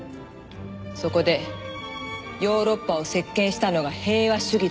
そこでヨーロッパを席巻したのが平和主義だった。